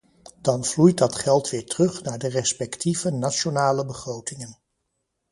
Dan vloeit dat geld weer terug naar de respectieve nationale begrotingen.